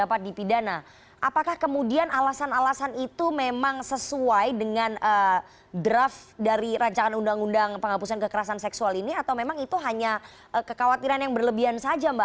apakah kemudian alasan alasan itu memang sesuai dengan draft dari rancangan undang undang penghapusan kekerasan seksual ini atau memang itu hanya kekhawatiran yang berlebihan saja mbak